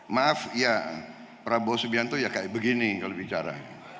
maaf ya prabowo subianto ya kayak begini kalau bicara